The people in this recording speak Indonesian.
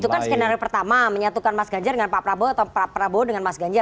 itu kan skenario pertama menyatukan mas ganjar dengan pak prabowo atau prabowo dengan mas ganjar